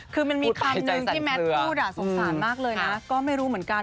คือมันมีคำหนึ่งที่แมทพูดสงสารมากเลยนะก็ไม่รู้เหมือนกัน